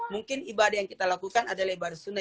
mungkin ibadah yang kita lakukan adalah lebar sunnah